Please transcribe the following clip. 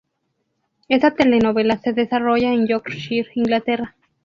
Esta telenovela se desarrolla en Yorkshire, Inglaterra.